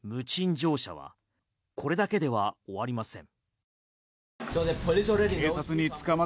乗車はこれだけでは終わりません。